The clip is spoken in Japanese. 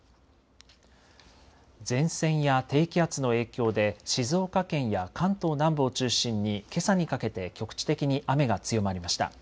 前線や低気圧の影響で静岡県や関東南部を中心にけさにかけて局地的に雨が強まりました。